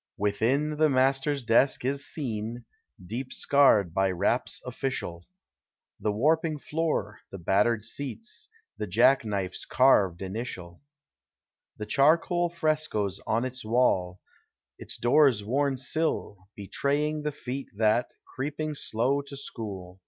Within, the master's desk is seen. Deep scarred by raps official; The warping floor, the battered seats, The jack knife's carved initial; The charcoal frescoes on its wall; Its doors worn sill, betraying The feet that, creeping slow to school.